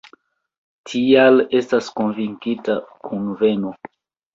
Tial estas kunvokita kunveno.